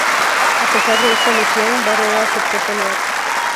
A pesar de esta lesión, Barrera aceptó pelear.